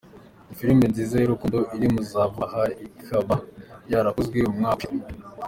Ni filime nziza y’urukundo iri mu za vuba aha, ikaba yarakozwe umwaka ushize.